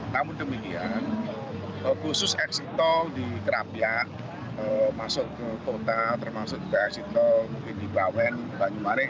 namun demikian khusus eksito di kerapia masuk ke kota termasuk juga eksito mungkin di bawen banyumare